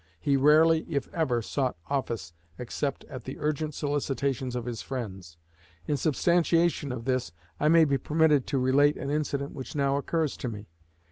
He rarely, if ever, sought office except at the urgent solicitations of his friends. In substantiation of this, I may be permitted to relate an incident which now occurs to me.